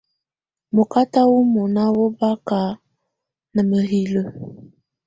Mɔkata wɔ́ mɔna wɔ́ baka na mǝ́hilǝ́.